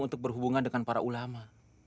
untuk berhubungan dengan para ulama